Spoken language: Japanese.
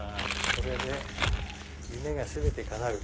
これで夢が全て叶う。